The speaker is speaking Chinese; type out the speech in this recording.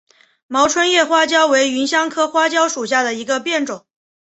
毛椿叶花椒为芸香科花椒属下的一个变种。